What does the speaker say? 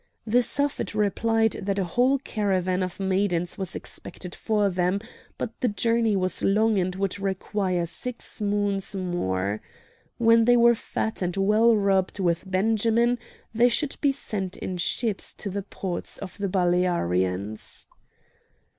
The Suffet replied that a whole caravan of maidens was expected for them, but the journey was long and would require six moons more. When they were fat and well rubbed with benjamin they should be sent in ships to the ports of the Balearians.